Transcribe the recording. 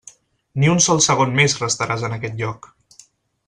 Ni un sol segon més restaràs en aquest lloc.